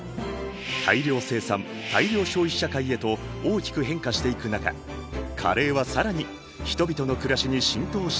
大量生産大量消費社会へと大きく変化していく中カレーは更に人々の暮らしに浸透していった。